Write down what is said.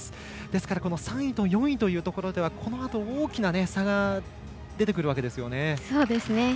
ですから３位と４位というところではこのあと大きな差が出てくるわけですよね。